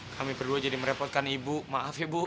kami berdua jadi merepotkan ibu maaf ya bu